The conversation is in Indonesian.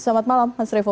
selamat malam mas revo